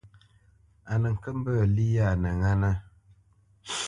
A nə kə́ mbə́ lí yâ a nə ŋánə́.